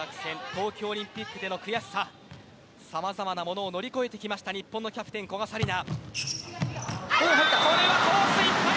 東京オリンピックでの悔しささまざまなものを乗り越えてきた日本のキャプテン古賀紗理那。